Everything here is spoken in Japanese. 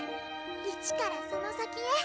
１からその先へ。